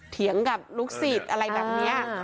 เถียงกับลูกศิษย์อะไรแบบนี้